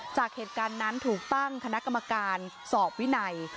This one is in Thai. จากเหตุการณ์นั้นถูกตั้งคณะกรรมการสอบวินัย